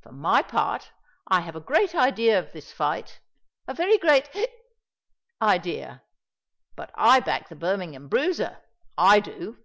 For my part, I have a great idea of this fight—a very great—hic—idea. But I back the Birmingham Bruiser—I do."